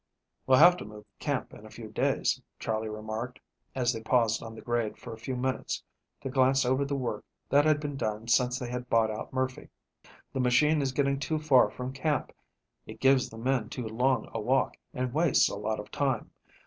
"We'll have to move camp in a few days," Charley remarked, as they paused on the grade for a few minutes to glance over the work that had been done since they had bought out Murphy. "The machine is getting too far from camp. It gives the men too long a walk, and wastes a lot of time.